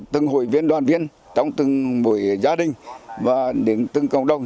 từng hội viên đoàn viên trong từng mỗi gia đình và đến từng cộng đồng